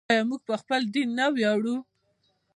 آیا موږ په خپل دین نه ویاړو؟